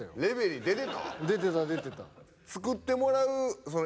出てた出てた。